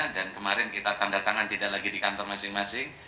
dan kemarin kita tandatangan tidak lagi di kantor masing masing